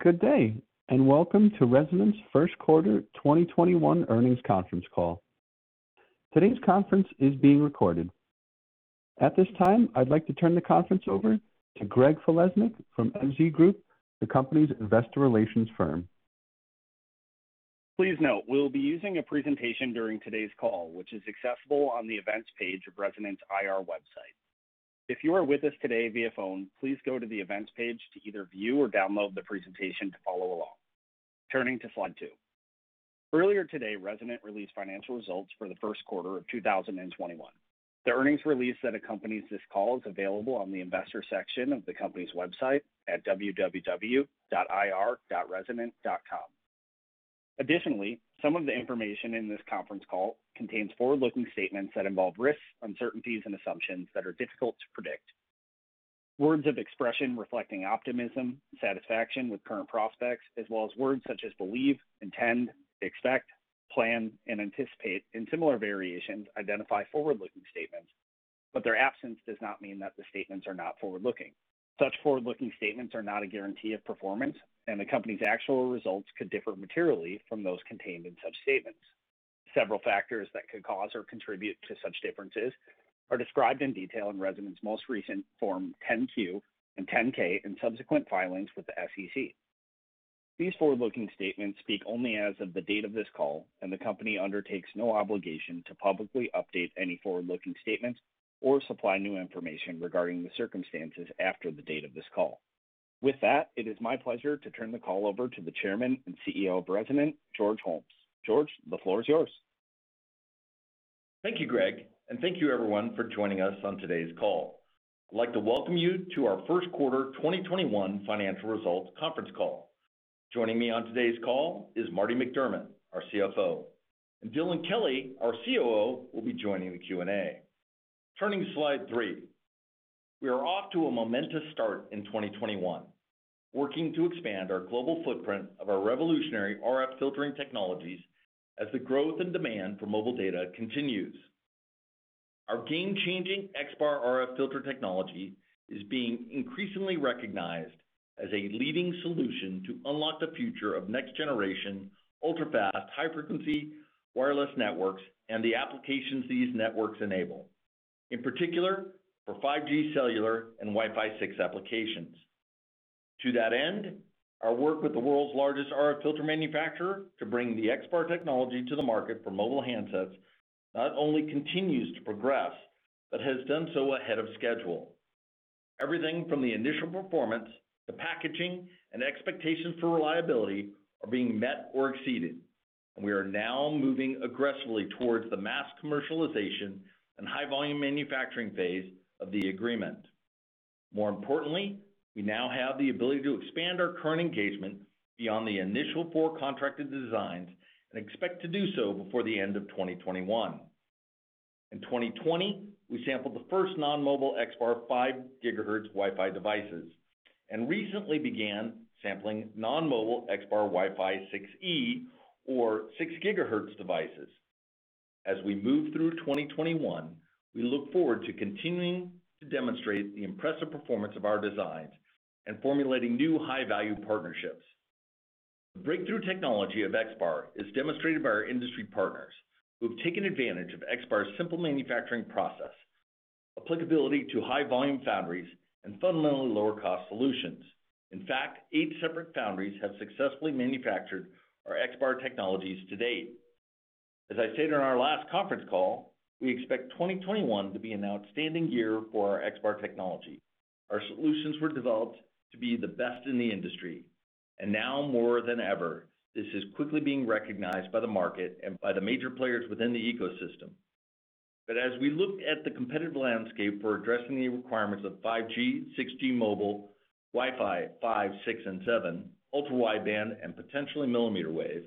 Good day, welcome to Resonant's Q1 2021 earnings conference call. Today's conference is being recorded. At this time, I'd like to turn the conference over to Greg Falesnik from MZ North America, the company's investor relations firm. Please note, we will be using a presentation during today's call, which is accessible on the Events page of Resonant's IR website. If you are with us today via phone, please go to the Events page to either view or download the presentation to follow along. Turning to slide two. Earlier today, Resonant released financial results for the Q1 of 2021. The earnings release that accompanies this call is available on the investor section of the company's website at www.resonant.com. Additionally, some of the information in this conference call contains forward-looking statements that involve risks, uncertainties, and assumptions that are difficult to predict. Words of expression reflecting optimism, satisfaction with current prospects, as well as words such as "believe," "intend," "expect," "plan," and "anticipate," and similar variations identify forward-looking statements, but their absence does not mean that the statements are not forward-looking. Such forward-looking statements are not a guarantee of performance, and the company's actual results could differ materially from those contained in such statements. Several factors that could cause or contribute to such differences are described in detail in Resonant's most recent Form 10-Q and 10-K and subsequent filings with the SEC. These forward-looking statements speak only as of the date of this call, and the company undertakes no obligation to publicly update any forward-looking statements or supply new information regarding the circumstances after the date of this call. With that, it is my pleasure to turn the call over to the Chairman and Chief Executive Officer of Resonant, George Holmes. George, the floor is yours. Thank you, Greg, and thank you, everyone, for joining us on today's call. I'd like to welcome you to our Q1 2021 financial results conference call. Joining me on today's call is Martin McDermut, our CFO, and Dylan Kelly, our COO, will be joining the Q&A. Turning to slide three. We are off to a momentous start in 2021, working to expand our global footprint of our revolutionary RF filtering technologies as the growth and demand for mobile data continues. Our game-changing XBAR RF filter technology is being increasingly recognized as a leading solution to unlock the future of next-generation, ultra-fast, high-frequency wireless networks and the applications these networks enable. In particular, for 5G cellular and Wi-Fi 6 applications. To that end, our work with the world's largest RF filter manufacturer to bring the XBAR technology to the market for mobile handsets not only continues to progress but has done so ahead of schedule. Everything from the initial performance, the packaging, and expectations for reliability are being met or exceeded, and we are now moving aggressively towards the mass commercialization and high-volume manufacturing phase of the agreement. More importantly, we now have the ability to expand our current engagement beyond the initial four contracted designs and expect to do so before the end of 2021. In 2020, we sampled the first non-mobile XBAR five gigahertz Wi-Fi devices and recently began sampling non-mobile XBAR Wi-Fi 6E or six gigahertz devices. As we move through 2021, we look forward to continuing to demonstrate the impressive performance of our designs and formulating new high-value partnerships. The breakthrough technology of XBAR is demonstrated by our industry partners, who have taken advantage of XBAR's simple manufacturing process, applicability to high-volume foundries, and fundamentally lower cost solutions. In fact, eight separate foundries have successfully manufactured our XBAR technologies to date. As I stated on our last conference call, we expect 2021 to be an outstanding year for our XBAR technology. Our solutions were developed to be the best in the industry, and now more than ever, this is quickly being recognized by the market and by the major players within the ecosystem. As we look at the competitive landscape for addressing the requirements of 5G, 6G mobile, Wi-Fi 5, 6 and 7, ultra-wideband, and potentially millimeter wave,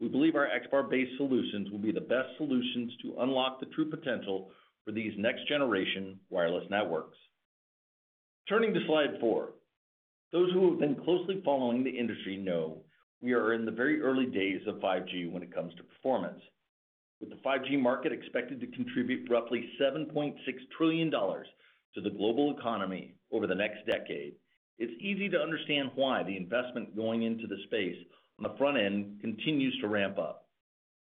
we believe our XBAR-based solutions will be the best solutions to unlock the true potential for these next-generation wireless networks. Turning to slide four. Those who have been closely following the industry know we are in the very early days of 5G when it comes to performance. With the 5G market expected to contribute roughly $7.6 trillion to the global economy over the next decade, it's easy to understand why the investment going into the space on the front end continues to ramp up.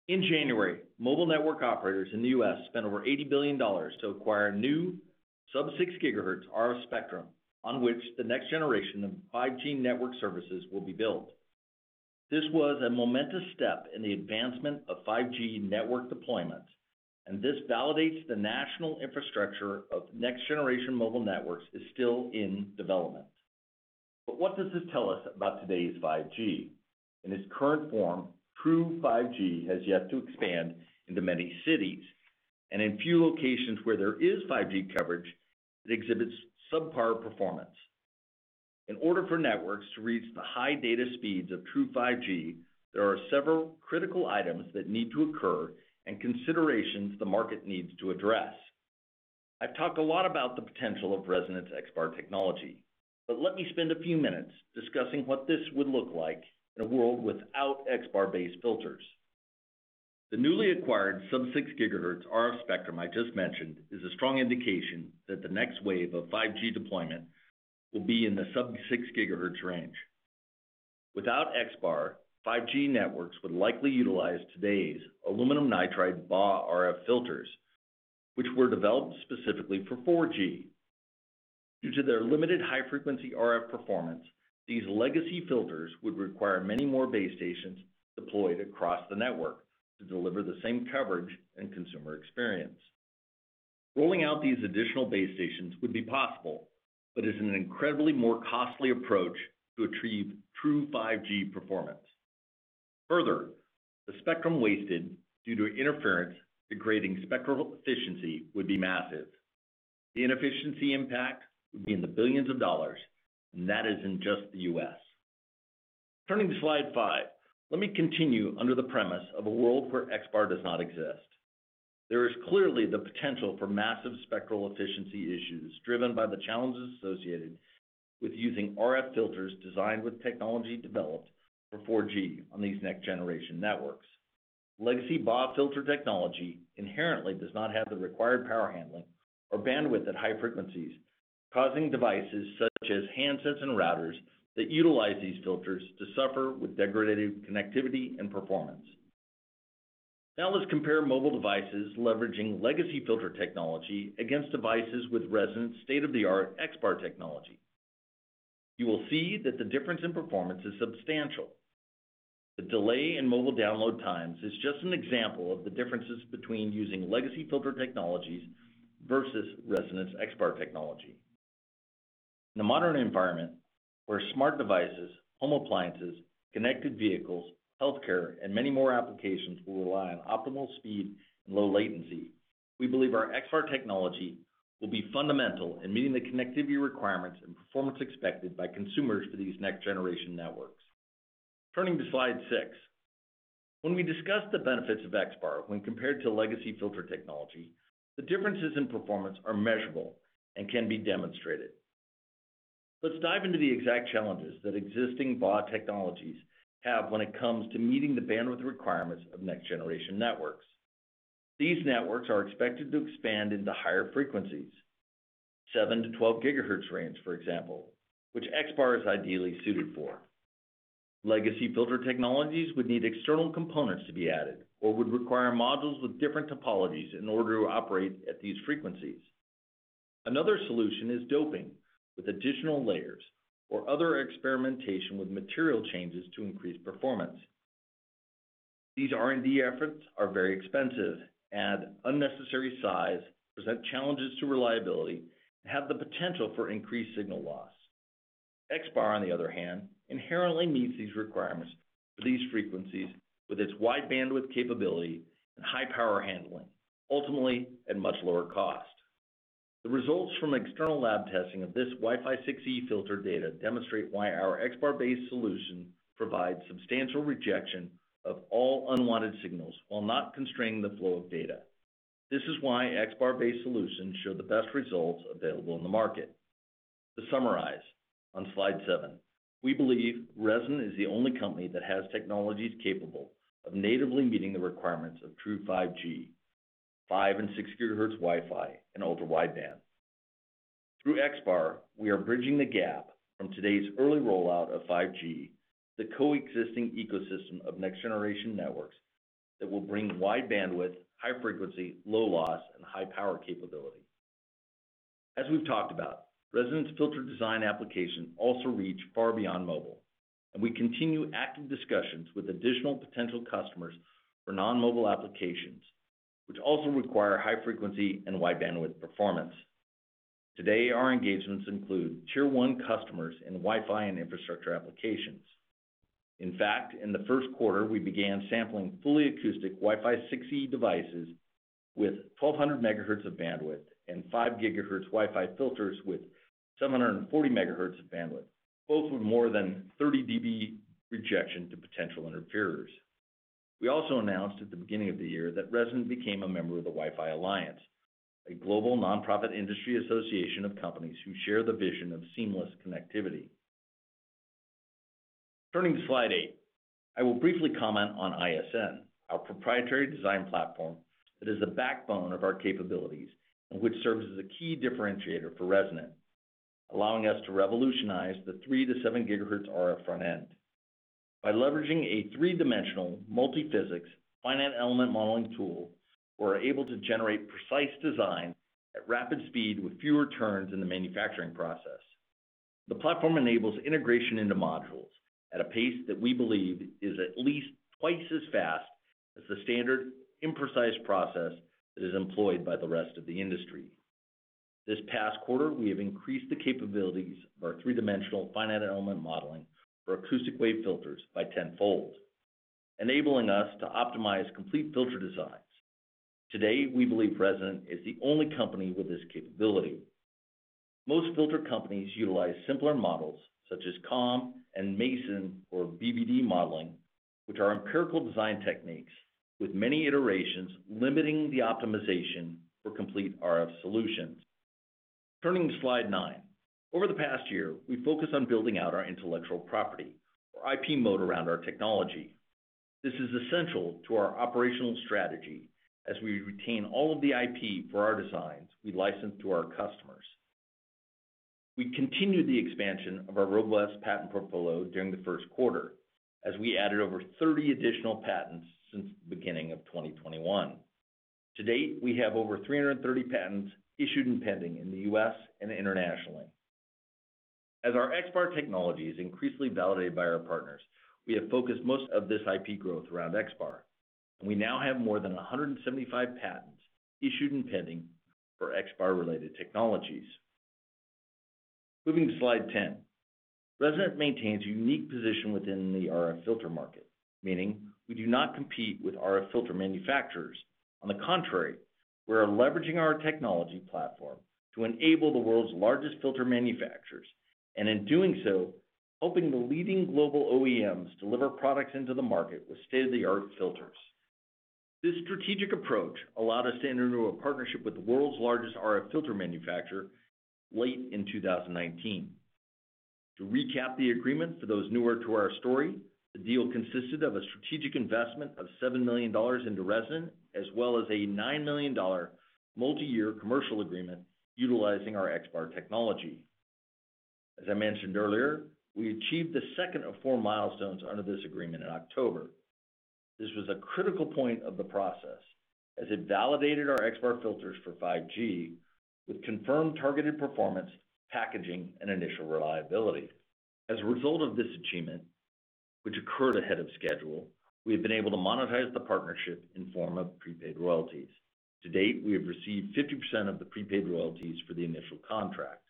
In January, mobile network operators in the U.S. spent over $80 billion to acquire new sub-six gigahertz RF spectrum, on which the next generation of 5G network services will be built. This was a momentous step in the advancement of 5G network deployment. This validates the national infrastructure of next-generation mobile networks is still in development. What does this tell us about today's 5G? In its current form, true 5G has yet to expand into many cities, and in few locations where there is 5G coverage, it exhibits subpar performance. In order for networks to reach the high data speeds of true 5G, there are several critical items that need to occur and considerations the market needs to address. I've talked a lot about the potential of Resonant's XBAR technology but let me spend a few minutes discussing what this would look like in a world without XBAR-based filters. The newly acquired sub-6 gigahertz RF spectrum I just mentioned is a strong indication that the next wave of 5G deployment will be in the sub-6 gigahertz range. Without XBAR, 5G networks would likely utilize today's aluminum nitride BAW RF filters, which were developed specifically for 4G. Due to their limited high-frequency RF performance, these legacy filters would require many more base stations deployed across the network to deliver the same coverage and consumer experience. Rolling out these additional base stations would be possible, but is an incredibly more costly approach to achieve true 5G performance. Further, the spectrum wasted due to interference degrading spectral efficiency would be massive. The inefficiency impact would be in the billions of dollars, and that is in just the U.S. Turning to slide five, let me continue under the premise of a world where XBAR does not exist. There is clearly the potential for massive spectral efficiency issues driven by the challenges associated with using RF filters designed with technology developed for 4G on these next-generation networks. Legacy BAW filter technology inherently does not have the required power handling or bandwidth at high frequencies, causing devices such as handsets and routers that utilize these filters to suffer with degraded connectivity and performance. Now let's compare mobile devices leveraging legacy filter technology against devices with Resonant's state-of-the-art XBAR technology. You will see that the difference in performance is substantial. The delay in mobile download times is just an example of the differences between using legacy filter technologies versus Resonant's XBAR technology. In the modern environment, where smart devices, home appliances, connected vehicles, healthcare, and many more applications will rely on optimal speed and low latency, we believe our XBAR technology will be fundamental in meeting the connectivity requirements and performance expected by consumers for these next-generation networks. Turning to slide six. When we discuss the benefits of XBAR when compared to legacy filter technology, the differences in performance are measurable and can be demonstrated. Let's dive into the exact challenges that existing BAW technologies have when it comes to meeting the bandwidth requirements of next-generation networks. These networks are expected to expand into higher frequencies, seven GHz-12 GHz range, for example, which XBAR is ideally suited for. Legacy filter technologies would need external components to be added or would require modules with different topologies in order to operate at these frequencies. Another solution is doping with additional layers or other experimentation with material changes to increase performance. These R&D efforts are very expensive, add unnecessary size, present challenges to reliability, and have the potential for increased signal loss. XBAR, on the other hand, inherently meets these requirements for these frequencies with its wide bandwidth capability and high power handling, ultimately at much lower cost. The results from external lab testing of this Wi-Fi 6E filter data demonstrate why our XBAR-based solution provides substantial rejection of all unwanted signals while not constraining the flow of data. This is why XBAR-based solutions show the best results available in the market. To summarize, on slide seven, we believe Resonant is the only company that has technologies capable of natively meeting the requirements of true 5G, five and six gigahertz Wi-Fi, and ultra-wideband. Through XBAR, we are bridging the gap from today's early rollout of 5G to the coexisting ecosystem of next-generation networks that will bring wide bandwidth, high frequency, low loss, and high-power capability. As we've talked about, Resonant's filter design application also reaches far beyond mobile, and we continue active discussions with additional potential customers for non-mobile applications, which also require high frequency and wide bandwidth performance. Today, our engagements include tier 1 customers in Wi-Fi and infrastructure applications. In fact, in the Q1, we began sampling fully acoustic Wi-Fi 6E devices with 1,200 megahertz of bandwidth and five gigahertz Wi-Fi filters with 740 megahertz of bandwidth, both with more than 30 dB rejection to potential interferers. We also announced at the beginning of the year that Resonant became a member of the Wi-Fi Alliance, a global nonprofit industry association of companies who share the vision of seamless connectivity. Turning to slide eight, I will briefly comment on ISN, our proprietary design platform that is the backbone of our capabilities and which serves as a key differentiator for Resonant, allowing us to revolutionize the three to seven gigahertz RF front end. By leveraging a three-dimensional, multi-physics, finite element modeling tool, we're able to generate precise design at rapid speed with fewer turns in the manufacturing process. The platform enables integration into modules at a pace that we believe is at least twice as fast as the standard imprecise process that is employed by the rest of the industry. This past quarter, we have increased the capabilities of our three-dimensional finite element modeling for acoustic wave filters by tenfold, enabling us to optimize complete filter designs. Today, we believe Resonant is the only company with this capability. Most filter companies utilize simpler models such as COM and Mason or BVD modeling, which are empirical design techniques with many iterations limiting the optimization for complete RF solutions. Turning to slide nine. Over the past year, we've focused on building out our intellectual property, or IP moat around our technology. This is essential to our operational strategy as we retain all of the IP for our designs we license to our customers. We continued the expansion of our robust patent portfolio during the Q1, as we added over 30 additional patents since the beginning of 2021. To date, we have over 330 patents issued and pending in the U.S. and internationally. As our XBAR technology is increasingly validated by our partners, we have focused most of this IP growth around XBAR, and we now have more than 175 patents issued and pending for XBAR-related technologies. Moving to slide 10. Resonant maintains a unique position within the RF filter market, meaning we do not compete with RF filter manufacturers. On the contrary, we are leveraging our technology platform to enable the world's largest filter manufacturers, and in doing so, helping the leading global OEMs deliver products into the market with state-of-the-art filters. This strategic approach allowed us to enter into a partnership with the world's largest RF filter manufacturer late in 2019. To recap the agreement for those newer to our story, the deal consisted of a strategic investment of $7 million into Resonant, as well as a $9 million multi-year commercial agreement utilizing our XBAR technology. As I mentioned earlier, we achieved the second of four milestones under this agreement in October. This was a critical point of the process as it validated our XBAR filters for 5G with confirmed targeted performance, packaging, and initial reliability. As a result of this achievement, which occurred ahead of schedule, we have been able to monetize the partnership in form of prepaid royalties. To date, we have received 50% of the prepaid royalties for the initial contract.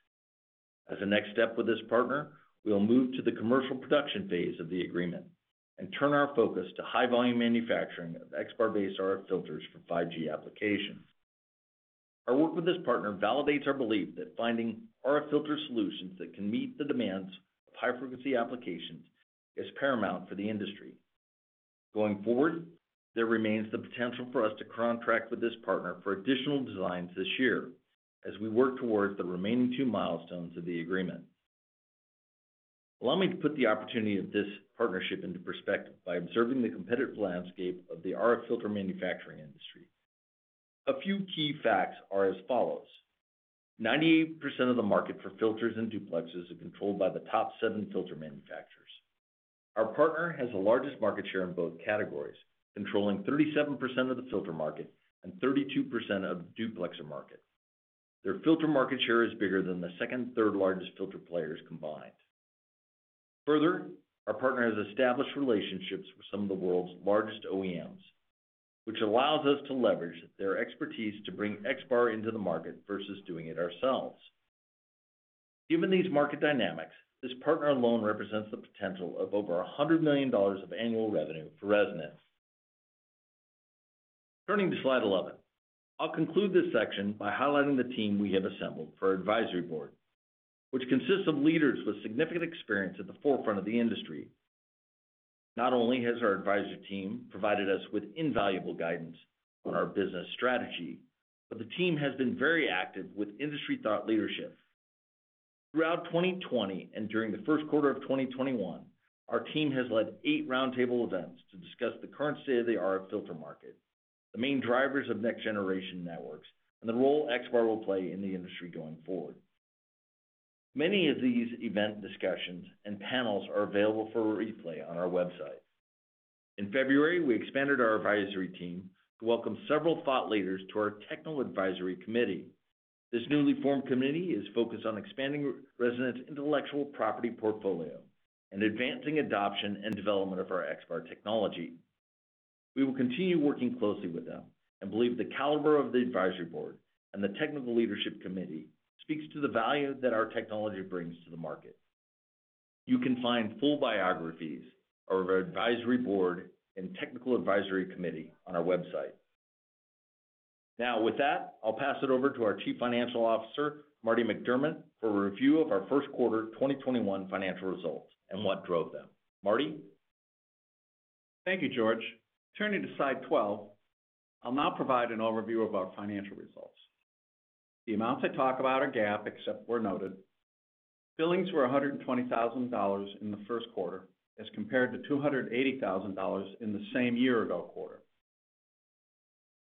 As a next step with this partner, we will move to the commercial production phase of the agreement and turn our focus to high-volume manufacturing of XBAR-based RF filters for 5G applications. Our work with this partner validates our belief that finding RF filter solutions that can meet the demands of high-frequency applications is paramount for the industry. Going forward, there remains the potential for us to contract with this partner for additional designs this year as we work towards the remaining two milestones of the agreement. Allow me to put the opportunity of this partnership into perspective by observing the competitive landscape of the RF filter manufacturing industry. A few key facts are as follows. 98% of the market for filters and duplexers are controlled by the top seven filter manufacturers. Our partner has the largest market share in both categories, controlling 37% of the filter market and 32% of the duplexer market. Further, our partner has established relationships with some of the world's largest OEMs, which allows us to leverage their expertise to bring XBAR into the market versus doing it ourselves. Given these market dynamics, this partner alone represents the potential of over $100 million of annual revenue for Resonant. Turning to slide 11. I'll conclude this section by highlighting the team we have assembled for our advisory board, which consists of leaders with significant experience at the forefront of the industry. Not only has our advisory team provided us with invaluable guidance on our business strategy, but the team has been very active with industry thought leadership. Throughout 2020 and during the Q1 of 2021, our team has led eight roundtable events to discuss the current state of the RF filter market, the main drivers of next-generation networks, and the role XBAR will play in the industry going forward. Many of these event discussions and panels are available for replay on our website. In February, we expanded our advisory team to welcome several thought leaders to our technical advisory committee. This newly formed committee is focused on expanding Resonant's intellectual property portfolio and advancing adoption and development of our XBAR technology. We will continue working closely with them and believe the caliber of the advisory board and the technical leadership committee speaks to the value that our technology brings to the market. You can find full biographies of our advisory board and technical advisory committee on our website. With that, I'll pass it over to our Chief Financial Officer, Martin McDermut, for a review of our Q1 2021 financial results and what drove them. Martin? Thank you, George. Turning to slide 12, I'll now provide an overview of our financial results. The amounts I talk about are GAAP, except where noted. Billings were $120,000 in the Q1 as compared to $280,000 in the same year-ago quarter.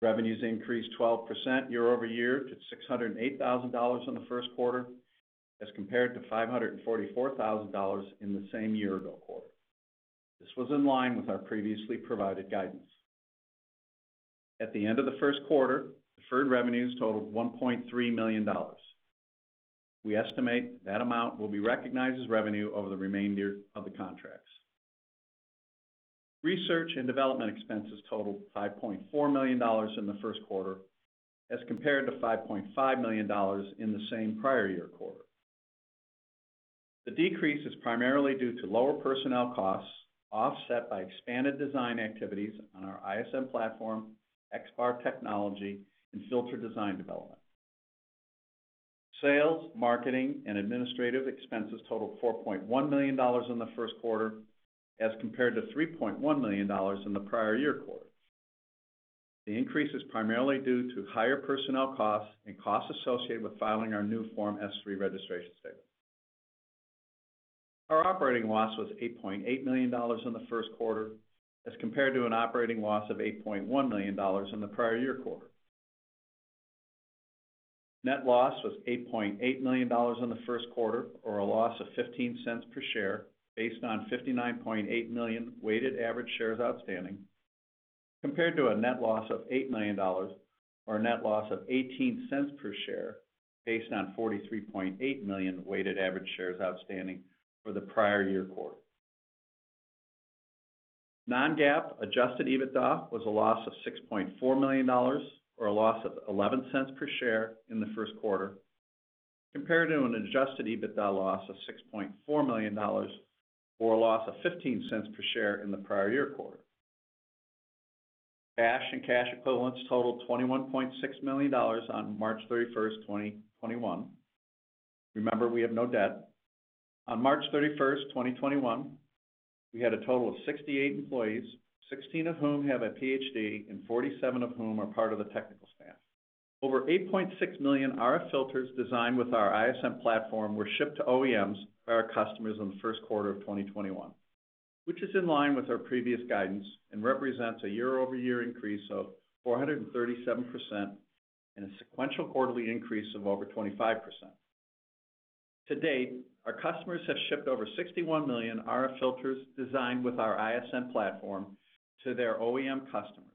Revenues increased 12% year-over-year to $608,000 in the Q1 as compared to $544,000 in the same year-ago quarter. This was in line with our previously provided guidance. At the end of the Q1, deferred revenues totaled $1.3 million. We estimate that amount will be recognized as revenue over the remainder of the contracts. Research and development expenses totaled $5.4 million in the Q1 as compared to $5.5 million in the same prior year quarter. The decrease is primarily due to lower personnel costs offset by expanded design activities on our ISN platform, XBAR technology, and filter design development. Sales, marketing, and administrative expenses totaled $4.1 million in the Q1 as compared to $3.1 million in the prior year quarter. The increase is primarily due to higher personnel costs and costs associated with filing our new Form S-3 registration statement. Our operating loss was $8.8 million in the Q1 as compared to an operating loss of $8.1 million in the prior year quarter. Net loss was $8.8 million in the Q1, or a loss of $0.15 per share based on 59.8 million weighted average shares outstanding, compared to a net loss of $8 million, or a net loss of $0.18 per share based on 43.8 million weighted average shares outstanding for the prior year quarter. Non-GAAP adjusted EBITDA was a loss of $6.4 million, or a loss of $0.11 per share in the Q1, compared to an adjusted EBITDA loss of $6.4 million, or a loss of $0.15 per share in the prior year quarter. Cash and cash equivalents totaled $21.6 million on March 31st, 2021. Remember, we have no debt. On March 31st, 2021, we had a total of 68 employees, 16 of whom have a PhD and 47 of whom are part of the technical staff. Over 8.6 million RF filters designed with our ISN platform were shipped to OEMs by our customers in the Q1 of 2021, which is in line with our previous guidance and represents a year-over-year increase of 437% and a sequential quarterly increase of over 25%. To date, our customers have shipped over 61 million RF filters designed with our ISN platform to their OEM customers,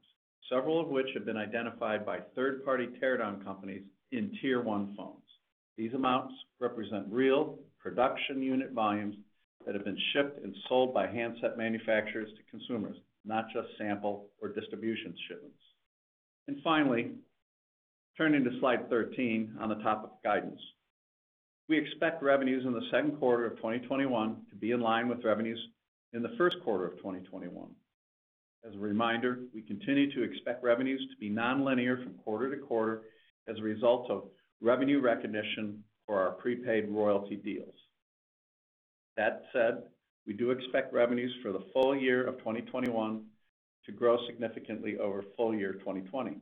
several of which have been identified by third-party teardown companies in tier 1 phones. These amounts represent real production unit volumes that have been shipped and sold by handset manufacturers to consumers, not just sample or distribution shipments. Finally, turning to slide 13 on the topic of guidance. We expect revenues in the Q2 of 2021 to be in line with revenues in the Q1 of 2021. As a reminder, we continue to expect revenues to be non-linear from quarter-to-quarter as a result of revenue recognition for our prepaid royalty deals. That said, we do expect revenues for the full year of 2021 to grow significantly over full year 2020.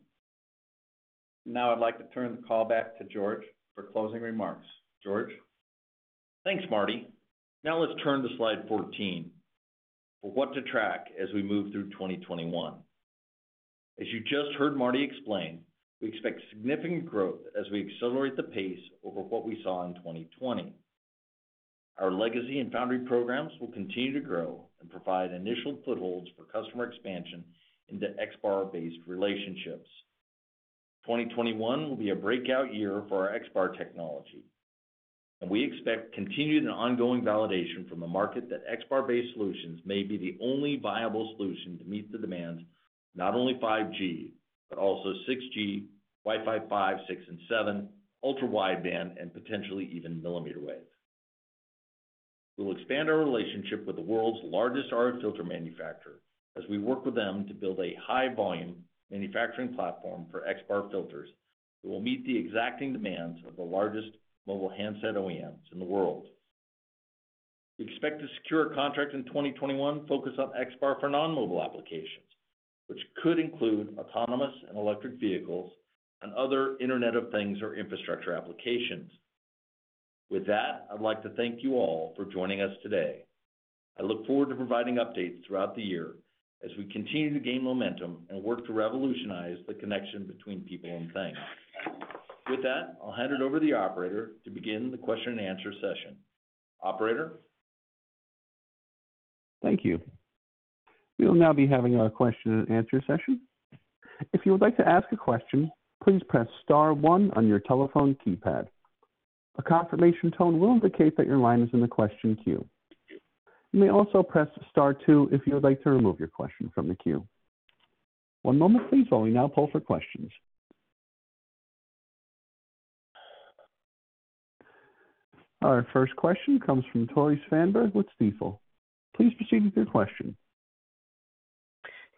I'd like to turn the call back to George for closing remarks. George? Thanks, Martin. Now let's turn to slide 14 for what to track as we move through 2021. As you just heard Martin explain, we expect significant growth as we accelerate the pace over what we saw in 2020. Our legacy and foundry programs will continue to grow and provide initial footholds for customer expansion into XBAR-based relationships. 2021 will be a breakout year for our XBAR technology, and we expect continued and ongoing validation from the market that XBAR-based solutions may be the only viable solution to meet the demands of not only 5G, but also 6G, Wi-Fi 5, six and seven ultra-wideband, and potentially even millimeter wave. We will expand our relationship with the world's largest RF filter manufacturer as we work with them to build a high-volume manufacturing platform for XBAR filters that will meet the exacting demands of the largest mobile handset OEMs in the world. We expect to secure a contract in 2021 focused on XBAR for non-mobile applications, which could include autonomous and electric vehicles and other Internet of Things or infrastructure applications. With that, I'd like to thank you all for joining us today. I look forward to providing updates throughout the year as we continue to gain momentum and work to revolutionize the connection between people and things. With that, I'll hand it over to the Operator to begin the question-and-answer session. Operator? Thank you. We will now be having our question-and-answer session. If you would like to ask a question, please press star one on your telephone keypad. A confirmation tone will indicate that your line is in the question queue. You may also press star two if you would like to remove your question from the queue. One moment please as we combine our roster for questions. Our first question comes from Tore Svanberg with Stifel. Please proceed with your question.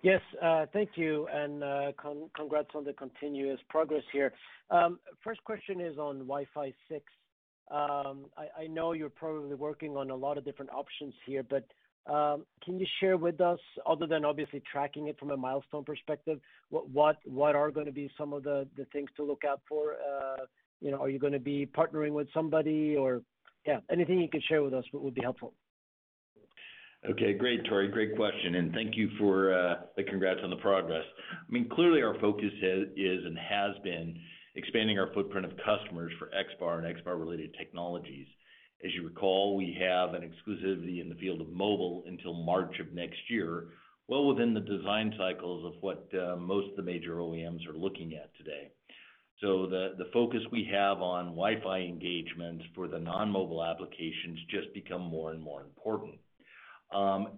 Yes, thank you, congrats on the continuous progress here. First question is on Wi-Fi 6. I know you're probably working on a lot of different options here, but can you share with us, other than obviously tracking it from a milestone perspective, what are going to be some of the things to look out for? Are you going to be partnering with somebody? Yeah, anything you can share with us would be helpful. Okay, great, Tore, great question, and thank you for the congrats on the progress. Clearly, our focus is and has been expanding our footprint of customers for XBAR and XBAR-related technologies. As you recall, we have an exclusivity in the field of mobile until March of next year, well within the design cycles of what most of the major OEMs are looking at today. The focus we have on Wi-Fi engagements for the non-mobile applications just become more and more important.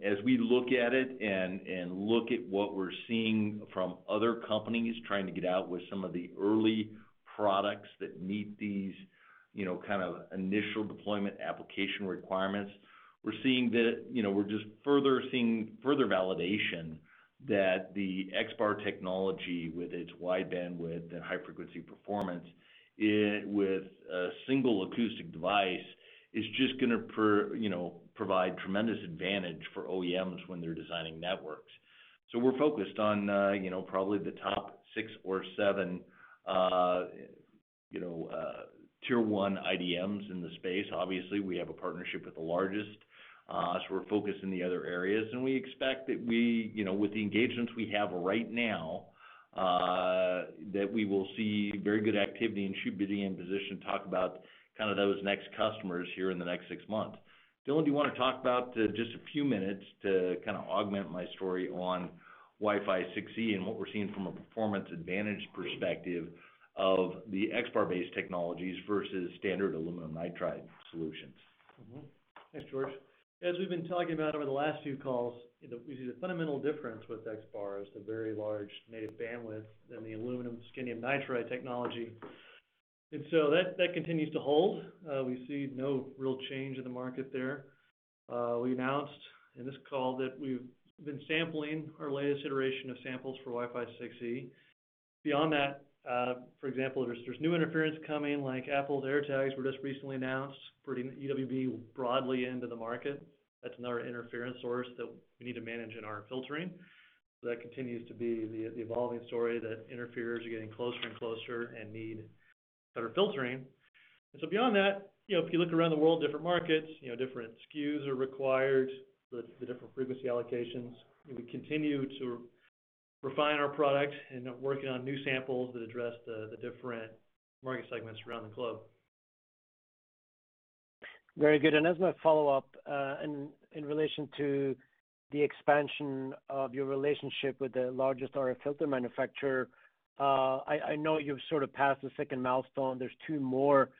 As we look at it and look at what we're seeing from other companies trying to get out with some of the early products that meet these kind of initial deployment application requirements, we're just further seeing further validation that the XBAR technology, with its wide bandwidth and high-frequency performance, with a single acoustic device, is just going to provide tremendous advantage for OEMs when they're designing networks. We're focused on probably the top six or seven tier 1 IDMs in the space. Obviously, we have a partnership with the largest, so we're focused in the other areas, and we expect that with the engagements we have right now, that we will see very good activity and should be in position to talk about those next customers here in the next six months. Dylan, do you want to talk about, just a few minutes, to augment my story on Wi-Fi 6E and what we're seeing from a performance advantage perspective of the XBAR-based technologies versus standard aluminum nitride solutions? Thanks, George. As we've been talking about over the last few calls, we see the fundamental difference with XBAR is the very large native bandwidth and the aluminum scandium nitride technology. That continues to hold. We see no real change in the market there. We announced in this call that we've been sampling our latest iteration of samples for Wi-Fi 6E. Beyond that, for example, there's new interference coming, like Apple's AirTag were just recently announced, bringing UWB broadly into the market. That's another interference source that we need to manage in our filtering. That continues to be the evolving story, that interferers are getting closer and closer and need better filtering. Beyond that, if you look around the world, different markets, different SKUs are required for the different frequency allocations, and we continue to refine our product and are working on new samples that address the different market segments around the globe. Very good, as my follow-up, in relation to the expansion of your relationship with the largest RF filter manufacturer, I know you've sort of passed the second milestone. There's two more.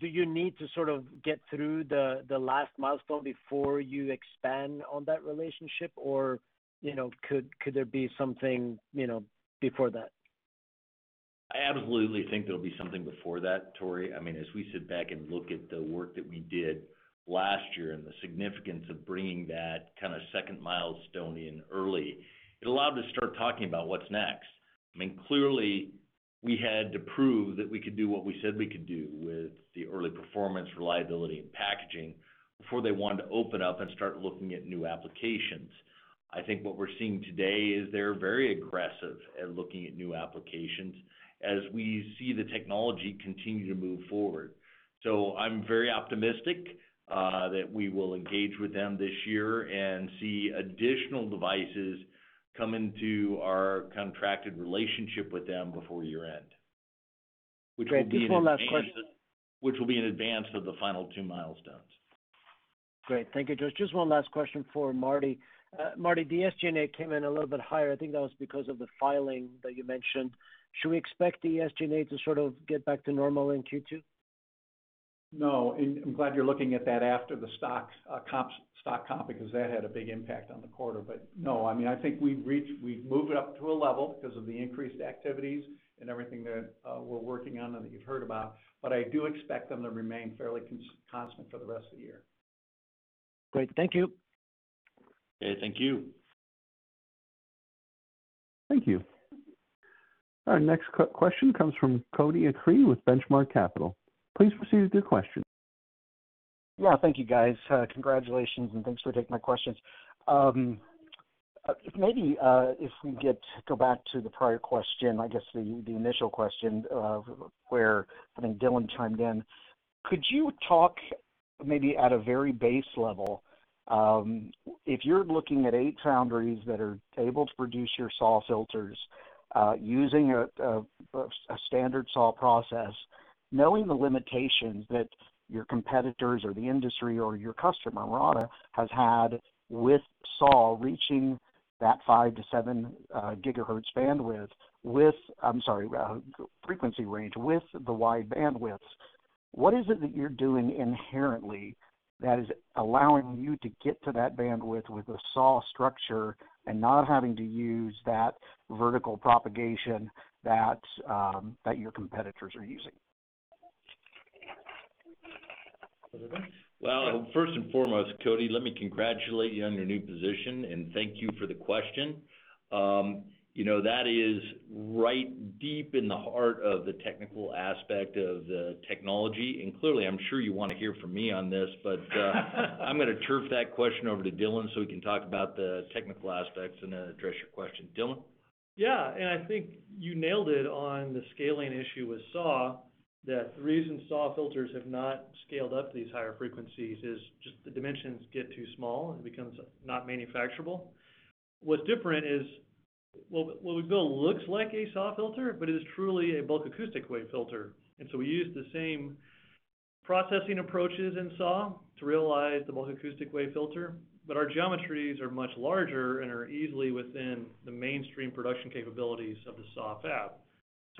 Do you need to sort of get through the last milestone before you expand on that relationship, or could there be something before that? I absolutely think there'll be something before that, Tore. As we sit back and look at the work that we did last year and the significance of bringing that kind of second milestone in early, it allowed us to start talking about what's next. Clearly, we had to prove that we could do what we said we could do with the early performance, reliability, and packaging before they wanted to open up and start looking at new applications. I think what we're seeing today is they're very aggressive at looking at new applications as we see the technology continue to move forward. I'm very optimistic that we will engage with them this year and see additional devices come into our contracted relationship with them before year-end. Great. Just one last question. Which will be in advance of the final two milestones. Great. Thank you, George. Just one last question for Martin McDermut. Martin McDermut, the SG&A came in a little bit higher. I think that was because of the filing that you mentioned. Should we expect the SG&A to sort of get back to normal in Q2? I'm glad you're looking at that after the stock compensation, because that had a big impact on the quarter. I think we've moved it up to a level because of the increased activities and everything that we're working on and that you've heard about, but I do expect them to remain fairly constant for the rest of the year. Great. Thank you. Okay. Thank you. Thank you. Our next question comes from Cody Acree with The Benchmark Company. Please proceed with your question. Thank you, guys. Congratulations, and thanks for taking my questions. Maybe if we go back to the prior question, I guess the initial question, where I think Dylan chimed in. Could you talk maybe at a very base level, if you're looking at eight foundries that are able to produce your SAW filters using a standard SAW process, knowing the limitations that your competitors or the industry or your customer, Murata, has had with SAW reaching that five to seven gigahertz bandwidth, I'm sorry, frequency range, with the wide bandwidths? First and foremost, Cody, let me congratulate you on your new position, and thank you for the question. That is right deep in the heart of the technical aspect of the technology, and clearly, I'm sure you want to hear from me on this, I'm going to turf that question over to Dylan so he can talk about the technical aspects and address your question. Dylan? I think you nailed it on the scaling issue with SAW, that the reason SAW filters have not scaled up to these higher frequencies is just the dimensions get too small and it becomes not manufacturable. What's different is, what we build looks like a SAW filter, but it is truly a bulk acoustic wave filter. We use the same processing approaches in SAW to realize the bulk acoustic wave filter, but our geometries are much larger and are easily within the mainstream production capabilities of the SAW fab.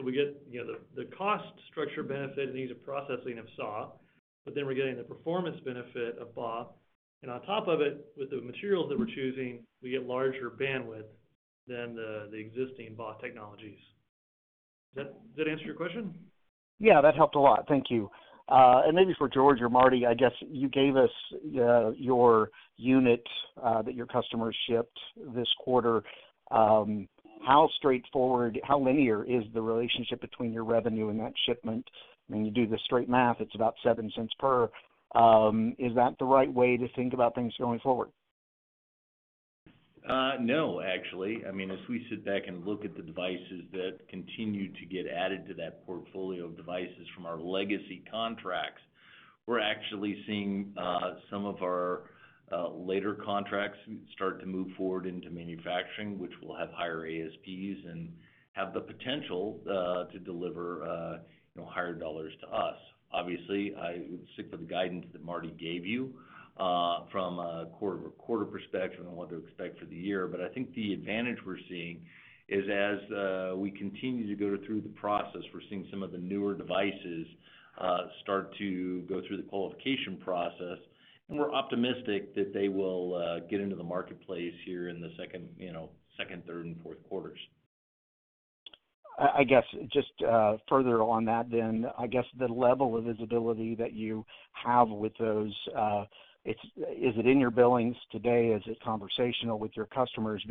We get the cost structure benefit and ease of processing of SAW, but then we're getting the performance benefit of BAW, and on top of it, with the materials that we're choosing, we get larger bandwidth than the existing BAW technologies. Does that answer your question? Yeah, that helped a lot. Thank you. Maybe for George or Martin, I guess you gave us your unit that your customers shipped this quarter. How straightforward, how linear is the relationship between your revenue and that shipment? When you do the straight math, it's about $0.07 per. Is that the right way to think about things going forward? No, actually. As we sit back and look at the devices that continue to get added to that portfolio of devices from our legacy contracts, we're actually seeing some of our later contracts start to move forward into manufacturing, which will have higher ASPs and have the potential to deliver higher dollars to us. Obviously, I would stick with the guidance that Martin McDermut gave you from a quarter-over-quarter perspective and what to expect for the year. I think the advantage we're seeing is as we continue to go through the process, we're seeing some of the newer devices start to go through the qualification process, and we're optimistic that they will get into the marketplace here in the Q2, Q3 and Q4. Just further on that then, I guess the level of visibility that you have with those. Is it in your billings today? Is it conversational with your customers?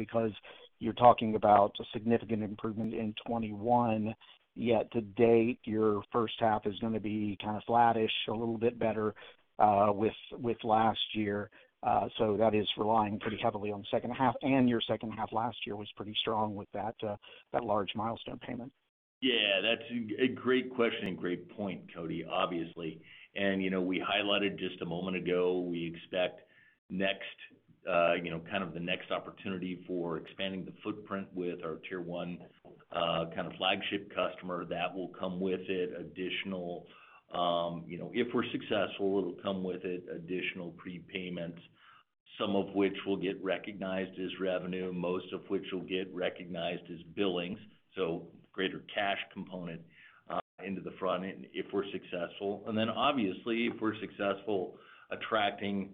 You're talking about a significant improvement in 2021, yet to date, your H1 is going to be kind of flattish, a little bit better, with last year. That is relying pretty heavily on the H2, and your H2 last year was pretty strong with that large milestone payment. Yeah, that's a great question and great point, Cody, obviously. We highlighted just a moment ago, we expect kind of the next opportunity for expanding the footprint with our tier 1 kind of flagship customer, that will come with it additional prepayments, some of which will get recognized as revenue, most of which will get recognized as billings, so greater cash component into the front end if we're successful. Obviously, if we're successful attracting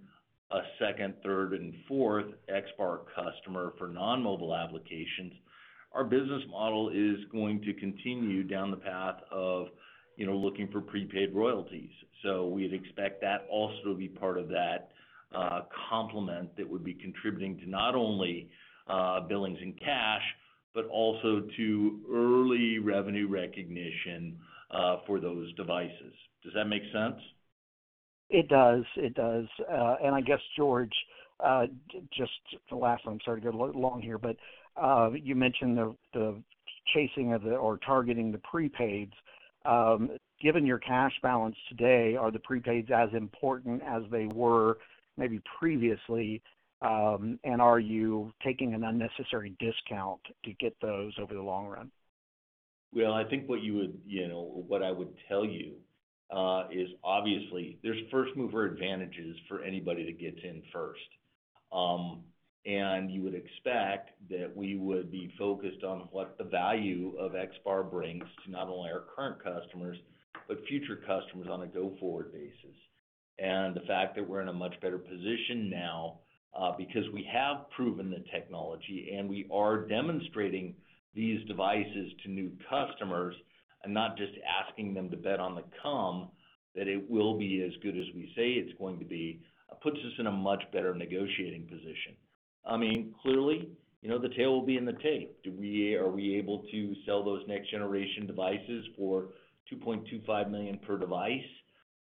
a second, third, and fourth XBAR customer for non-mobile applications, our business model is going to continue down the path of looking for prepaid royalties. We'd expect that also to be part of that complement that would be contributing to not only billings in cash, but also to early revenue recognition for those devices. Does that make sense? It does. I guess, George, just the last one. Sorry to go long here, you mentioned targeting the prepaids. Given your cash balance today, are the prepaids as important as they were maybe previously? Are you taking an unnecessary discount to get those over the long run? Well, I think what I would tell you is obviously there's first-mover advantages for anybody that gets in first. You would expect that we would be focused on what the value of XBAR brings to not only our current customers, but future customers on a go-forward basis. The fact that we're in a much better position now because we have proven the technology and we are demonstrating these devices to new customers and not just asking them to bet on the come that it will be as good as we say it's going to be, puts us in a much better negotiating position. Clearly, the tail will be in the tape. Are we able to sell those next-generation devices for $2.25 million per device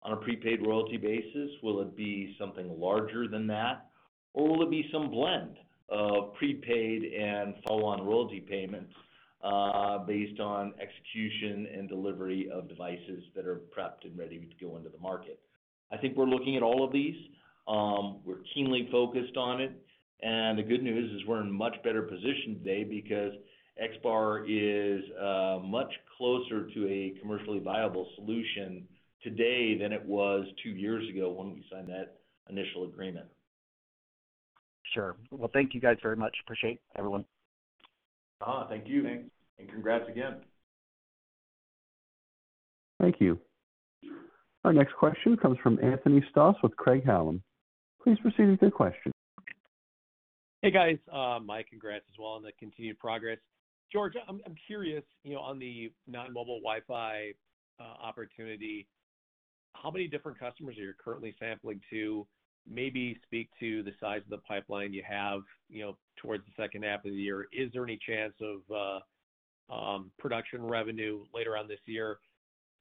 on a prepaid royalty basis? Will it be something larger than that? Will it be some blend of prepaid and follow-on royalty payments based on execution and delivery of devices that are prepped and ready to go into the market? I think we're looking at all of these. We're keenly focused on it, and the good news is we're in a much better position today because XBAR is much closer to a commercially viable solution today than it was two years ago when we signed that initial agreement. Sure. Thank you guys very much. Appreciate it, everyone. Thank you. Thanks. Congrats again. Thank you. Our next question comes from Anthony Stoss with Craig-Hallum. Please proceed with your question. Hey, guys. My congrats as well on the continued progress. George, I'm curious, on the non-mobile Wi-Fi opportunity, how many different customers are you currently sampling to maybe speak to the size of the pipeline you have towards the H2 of the year? Is there any chance of production revenue later on this year?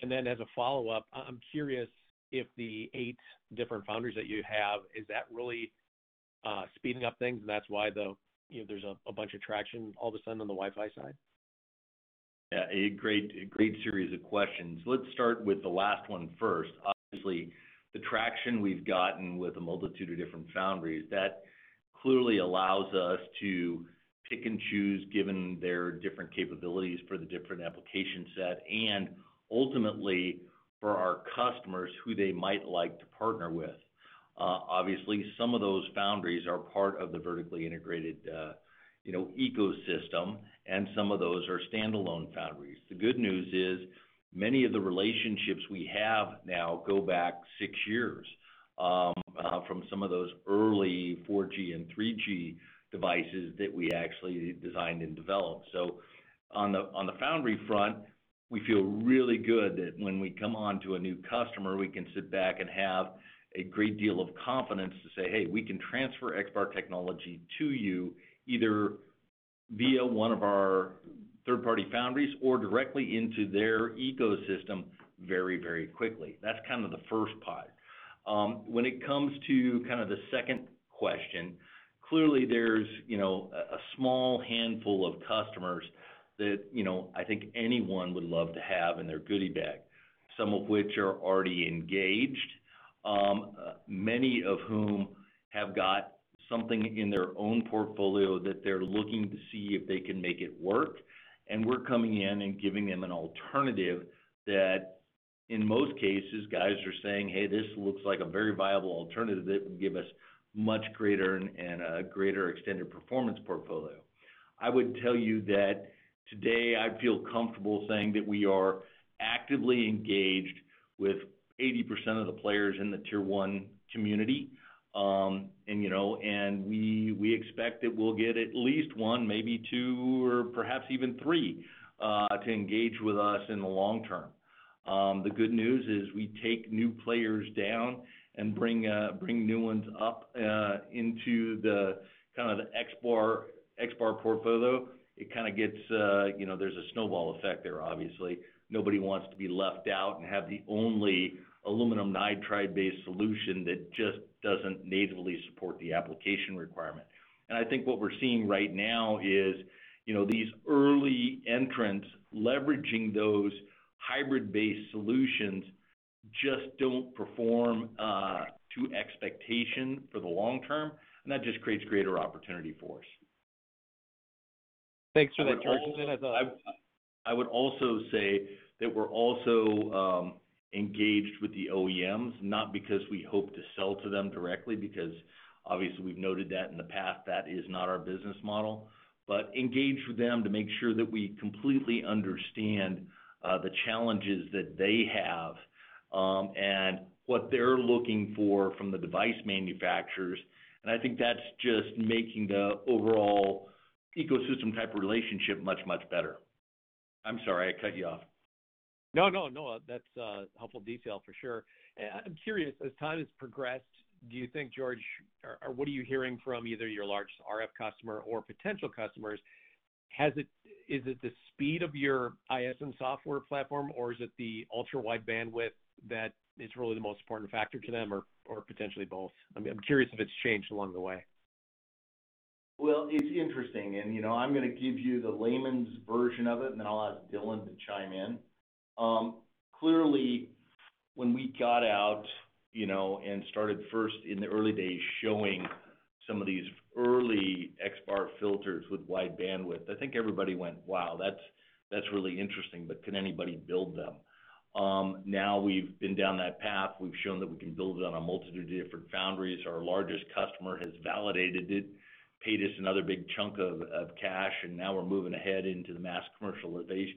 As a follow-up, I'm curious if the eight different foundries that you have, is that really speeding up things and that's why there's a bunch of traction all of a sudden on the Wi-Fi side? Yeah, a great series of questions. Let's start with the last one first. Obviously, the traction we've gotten with a multitude of different foundries, that clearly allows us to pick and choose, given their different capabilities for the different application set and ultimately for our customers who they might like to partner with. Obviously, some of those foundries are part of the vertically integrated ecosystem, and some of those are standalone foundries. The good news is many of the relationships we have now go back six years from some of those early 4G and 3G devices that we actually designed and developed. On the foundry front, we feel really good that when we come on to a new customer, we can sit back and have a great deal of confidence to say, "Hey, we can transfer XBAR technology to you either via one of our third-party foundries or directly into their ecosystem very, very quickly. That's kind of the first part. When it comes to the second question, clearly there's a small handful of customers that I think anyone would love to have in their goodie bag, some of which are already engaged, many of whom have got something in their own portfolio that they're looking to see if they can make it work. We're coming in and giving them an alternative that, in most cases, guys are saying, "Hey, this looks like a very viable alternative that will give us much greater and a greater extended performance portfolio." I would tell you that today I feel comfortable saying that we are actively engaged with 80% of the players in the tier 1 community. We expect that we'll get at least one, maybe two, or perhaps even three to engage with us in the long term. The good news is we take new players down and bring new ones up into the XBAR portfolio. There's a snowball effect there, obviously. Nobody wants to be left out and have the only aluminum nitride-based solution that just doesn't natively support the application requirement. I think what we're seeing right now is, these early entrants leveraging those hybrid-based solutions just don't perform to expectation for the long term, and that just creates greater opportunity for us. Thanks for that, George. I would also say that we're also engaged with the OEMs, not because we hope to sell to them directly, because obviously we've noted that in the past, that is not our business model. Engaged with them to make sure that we completely understand the challenges that they have and what they're looking for from the device manufacturers. I think that's just making the overall ecosystem type relationship much, much better. I'm sorry, I cut you off. No, that's helpful detail for sure. I'm curious, as time has progressed, do you think, George, or what are you hearing from either your largest RF customer or potential customers, is it the speed of your ISN software platform, or is it the ultra-wide bandwidth that is really the most important factor to them, or potentially both? I'm curious if it's changed along the way. It's interesting, and I'm going to give you the layman's version of it, and then I'll ask Dylan to chime in. Clearly, when we got out and started first in the early days showing some of these early XBAR filters with wide bandwidth, I think everybody went, "Wow, that's really interesting, but can anybody build them?" We've been down that path. We've shown that we can build it on a multitude of different foundries. Our largest customer has validated it, paid us another big chunk of cash, and now we're moving ahead into the mass commercialization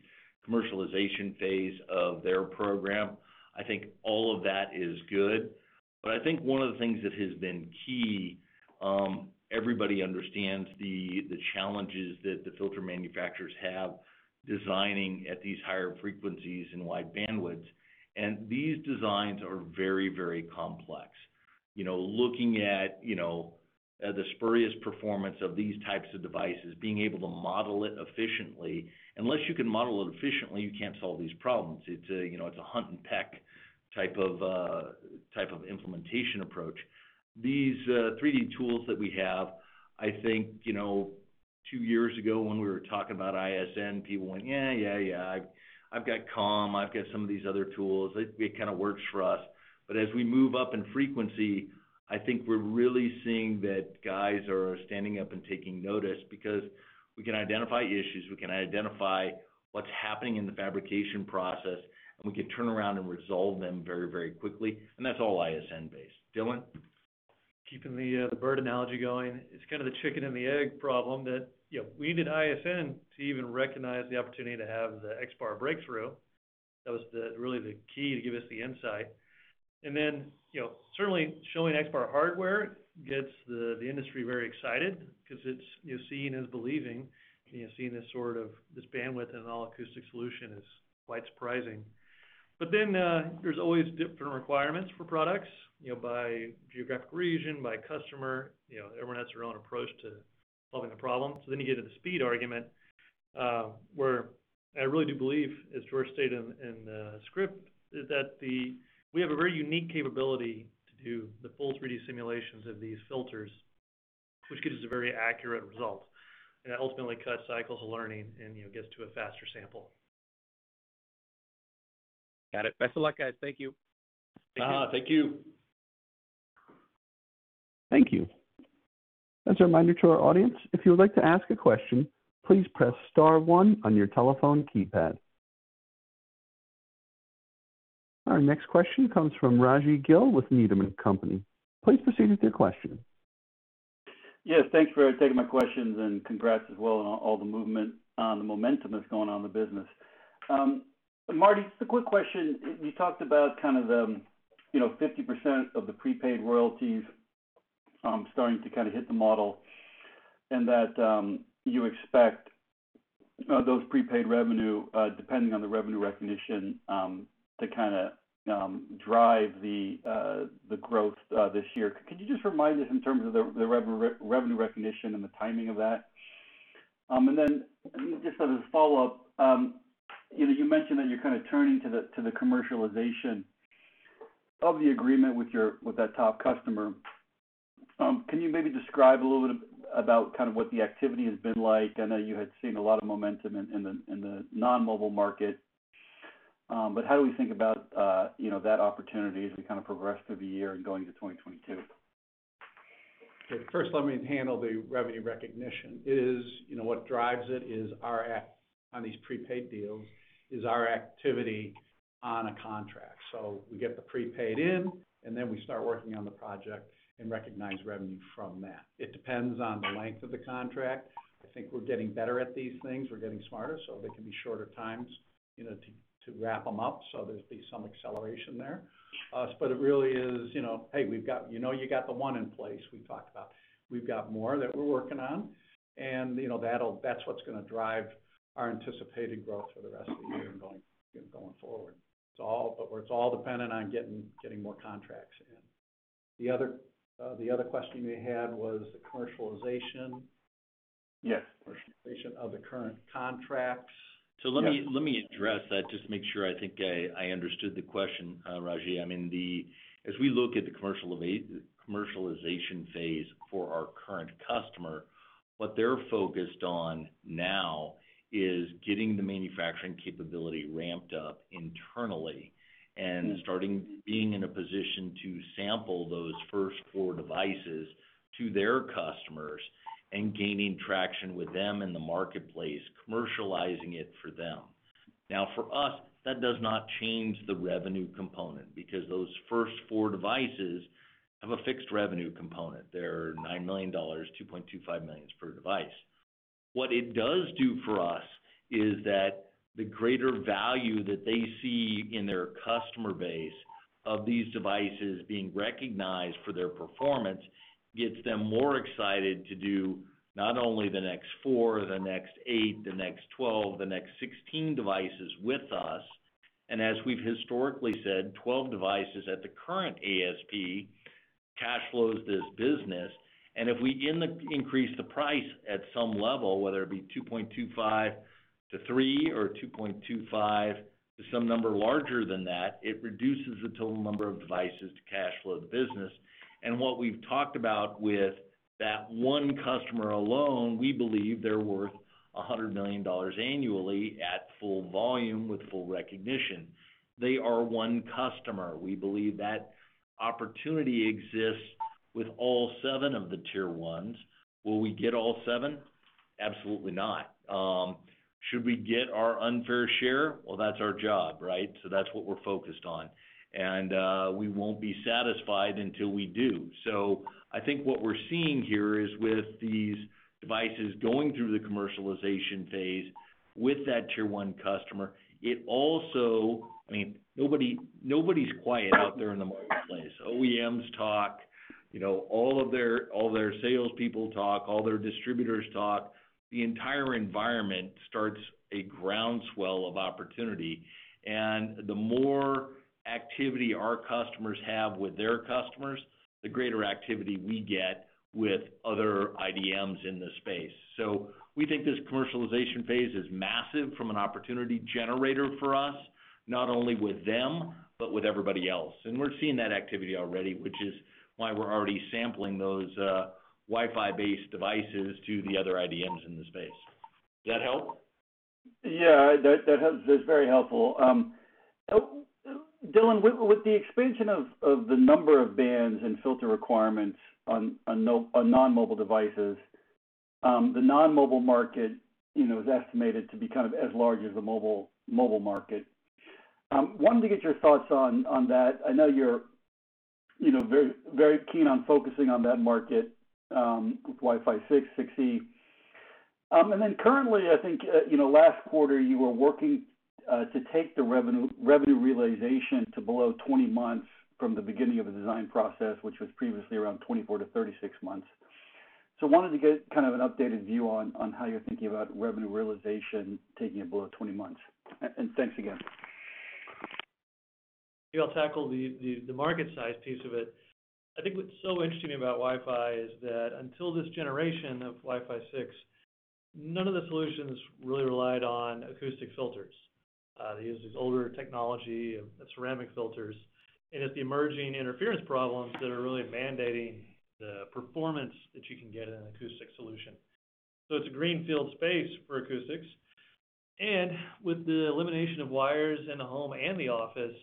phase of their program. I think all of that is good. I think one of the things that has been key, everybody understands the challenges that the filter manufacturers have designing at these higher frequencies and wide bandwidths, and these designs are very complex. Looking at the spurious performance of these types of devices, being able to model it efficiently. Unless you can model it efficiently, you can't solve these problems. It's a hunt-and-peck type of implementation approach. These 3D tools that we have, I think, two years ago, when we were talking about ISN, people went, "Yeah. I've got COM. I've got some of these other tools. It kind of works for us." As we move up in frequency, I think we're really seeing that guys are standing up and taking notice because we can identify issues, we can identify what's happening in the fabrication process, and we can turn around and resolve them very quickly, and that's all ISN-based. Dylan? Keeping the bird analogy going, it's kind of the chicken and the egg problem that we needed ISN to even recognize the opportunity to have the XBAR breakthrough. That was really the key to give us the insight. Certainly showing XBAR hardware gets the industry very excited because it's seeing is believing, and seeing this sort of, this bandwidth and an all-acoustic solution is quite surprising. There's always different requirements for products, by geographic region, by customer. Everyone has their own approach to solving a problem. You get to the speed argument, where I really do believe, as George stated in the script, is that we have a very unique capability to do the full 3D simulations of these filters, which gives us a very accurate result, and that ultimately cuts cycles of learning and gets to a faster sample. Got it. Best of luck, guys. Thank you. Thank you. Thank you. As a reminder to our audience, if you would like to ask a question, please press star one on your telephone keypad. Our next question comes from Rajvindra Gill with Needham & Company. Please proceed with your question. Yes, thanks for taking my questions, and congrats as well on all the movement, on the momentum that's going on in the business. Martin, just a quick question. You talked about kind of the 50% of the prepaid royalties starting to kind of hit the model, and that you expect those prepaid revenue, depending on the revenue recognition, to kind of drive the growth this year. Could you just remind us in terms of the revenue recognition and the timing of that? Just as a follow-up, you mentioned that you're kind of turning to the commercialization of the agreement with that top customer. Can you maybe describe a little bit about what the activity has been like? I know you had seen a lot of momentum in the non-mobile market, how do we think about that opportunity as we progress through the year and going into 2022? Okay. First, let me handle the revenue recognition. What drives it on these prepaid deals is our activity on a contract. We get the prepaid in, and then we start working on the project and recognize revenue from that. It depends on the length of the contract. I think we're getting better at these things. We're getting smarter, so they can be shorter times to wrap them up, so there's be some acceleration there. It really is, hey, you know you got the one in place we talked about. We've got more that we're working on, and that's what's going to drive our anticipated growth for the rest of the year and going forward. It's all dependent on getting more contracts in. The other question you had was the commercialization. Yes. Commercialization of the current contracts. Yes. Let me address that, just make sure I think I understood the question, Raji. As we look at the commercialization phase for our current customer, what they're focused on now is getting the manufacturing capability ramped up internally and starting being in a position to sample those first four devices to their customers and gaining traction with them in the marketplace, commercializing it for them. For us, that does not change the revenue component because those first four devices have a fixed revenue component. They're $9 million, $2.25 million per device. What it does do for us is that the greater value that they see in their customer base of these devices being recognized for their performance gets them more excited to do not only the next four, the next eight, the next 12, the next 16 devices with us. As we've historically said, 12 devices at the current ASP cash flows this business. If we increase the price at some level, whether it be 2.25-3 or 2.25 to some number larger than that, it reduces the total number of devices to cash flow the business. What we've talked about with that one customer alone, we believe they're worth $100 million annually at full volume with full recognition. They are one customer. We believe that opportunity exists with all seven of the tier 1s. Will we get all seven? Absolutely not. Should we get our unfair share? Well, that's our job, right? That's what we're focused on, and we won't be satisfied until we do. I think what we're seeing here is with these devices going through the commercialization phase with that tier 1 customer, it also, nobody's quiet out there in the marketplace. OEMs talk, all their salespeople talk, all their distributors talk. The entire environment starts a groundswell of opportunity. The more activity our customers have with their customers, the greater activity we get with other IDMs in the space. We think this commercialization phase is massive from an opportunity generator for us, not only with them, but with everybody else. We're seeing that activity already, which is why we're already sampling those Wi-Fi based devices to the other IDMs in the space. Does that help? Yeah, that's very helpful. Dylan, with the expansion of the number of bands and filter requirements on non-mobile devices, the non-mobile market is estimated to be kind of as large as the mobile market. Wanted to get your thoughts on that. I know you're very keen on focusing on that market with Wi-Fi 6/6E. Currently, I think, last quarter, you were working to take the revenue realization to below 20 months from the beginning of the design process, which was previously around 24-36 months. Wanted to get kind of an updated view on how you're thinking about revenue realization taking it below 20 months. Thanks again. Maybe I'll tackle the market size piece of it. I think what's so interesting about Wi-Fi is that until this generation of Wi-Fi 6, none of the solutions really relied on acoustic filters. They used these older technology of ceramic filters. It's the emerging interference problems that are really mandating the performance that you can get in an acoustic solution. It's a greenfield space for acoustics. With the elimination of wires in the home and the office,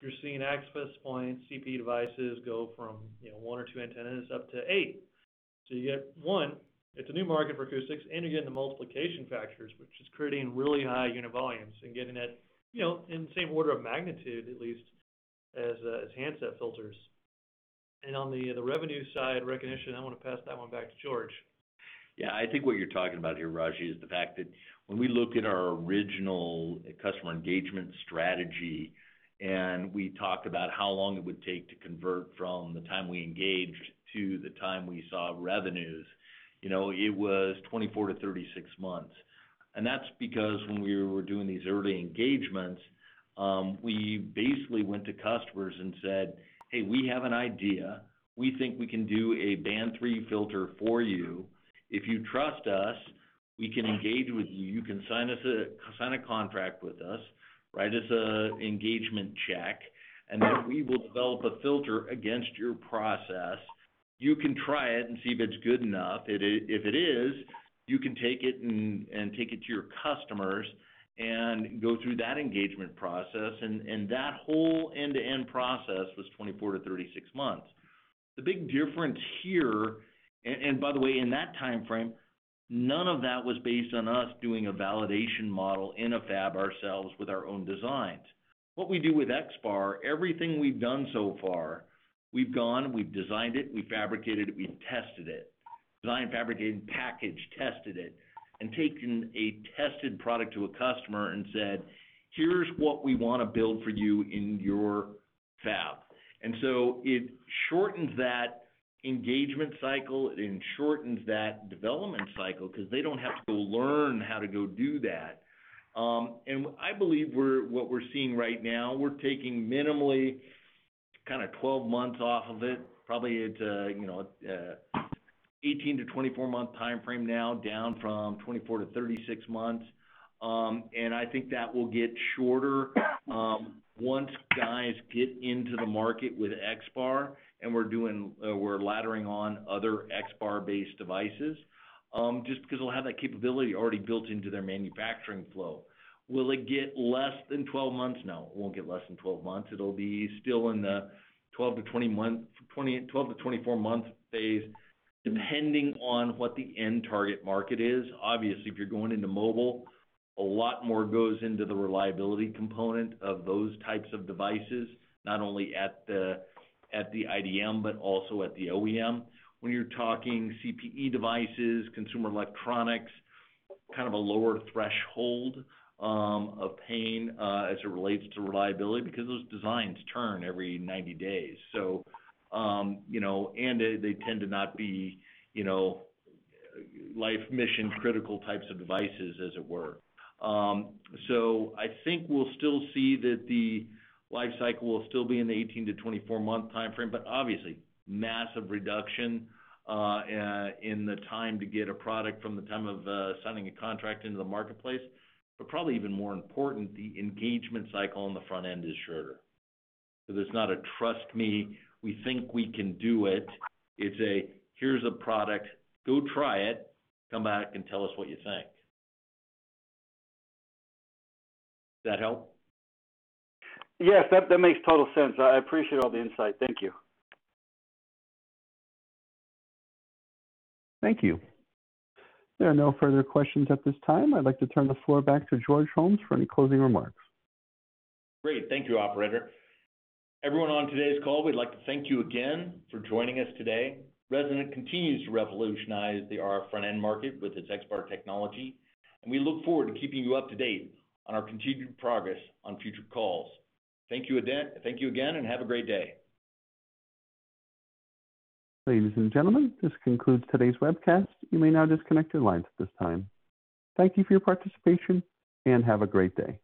you're seeing access points, CPE devices go from one or two antennas up to eight. You get one, it's a new market for acoustics, and you're getting the multiplication factors, which is creating really high unit volumes and getting it in the same order of magnitude, at least, as handset filters. On the revenue side recognition, I want to pass that one back to George. I think what you're talking about here, Raji, is the fact that when we look at our original customer engagement strategy, we talked about how long it would take to convert from the time we engaged to the time we saw revenues. It was 24-36 months. That's because when we were doing these early engagements, we basically went to customers and said, "Hey, we have an idea. We think we can do a band 3 filter for you. If you trust us, we can engage with you. You can sign a contract with us, write us an engagement check, and then we will develop a filter against your process. You can try it and see if it's good enough. If it is, you can take it, and take it to your customers, and go through that engagement process. That whole end-to-end process was 24-36 months. The big difference here. By the way, in that timeframe, none of that was based on us doing a validation model in a fab ourselves with our own designs. What we do with XBAR, everything we've done so far, we've gone, we've designed it, we fabricated it, we tested it. Designed, fabricated, packaged, tested it, taken a tested product to a customer and said, "Here's what we want to build for you in your fab." It shortens that engagement cycle, it shortens that development cycle, because they don't have to learn how to go do that. I believe what we're seeing right now, we're taking minimally 12 months off of it. Probably it's a 18-24-month timeframe now, down from 24-36 months. I think that will get shorter once guys get into the market with XBAR, and we're laddering on other XBAR-based devices, just because they'll have that capability already built into their manufacturing flow. Will it get less than 12 months? No. It won't get less than 12 months. It'll be still in the 12-24-month phase, depending on what the end target market is. Obviously, if you're going into mobile, a lot more goes into the reliability component of those types of devices, not only at the IDM, but also at the OEM. When you're talking CPE devices, consumer electronics, kind of a lower threshold of pain as it relates to reliability because those designs turn every 90 days. They tend to not be life mission critical types of devices, as it were. I think we'll still see that the life cycle will still be in the 18-24-month timeframe, but obviously, massive reduction in the time to get a product from the time of signing a contract into the marketplace. Probably even more important, the engagement cycle on the front end is shorter. There's not a "Trust me, we think we can do it." It's a, "Here's a product. Go try it. Come back and tell us what you think." That help? Yes. That makes total sense. I appreciate all the insight. Thank you. Thank you. There are no further questions at this time. I'd like to turn the floor back to George Holmes for any closing remarks. Great. Thank you, operator. Everyone on today's call, we'd like to thank you again for joining us today. Resonant continues to revolutionize the RF front end market with its XBAR technology. We look forward to keeping you up to date on our continued progress on future calls. Thank you again and have a great day. Ladies and gentlemen, this concludes today's webcast. You may now disconnect your lines at this time. Thank you for your participation and have a great day.